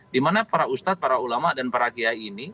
dimana para ustadz para ulama dan para kiai ini